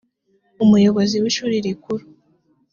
umuyobozi w ishuri rikuru